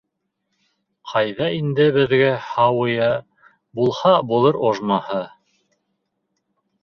Ҡайҙа инде беҙгә һауыя, булһа булыр ожмахы.